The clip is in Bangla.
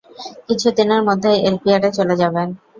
কিছুদিনের মধ্যেই এলপিআরে চলে যাবেন।